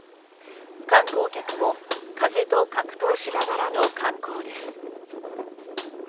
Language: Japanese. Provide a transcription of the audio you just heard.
観光客も風と格闘しながらの観光です。